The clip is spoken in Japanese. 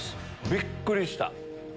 びっくりした？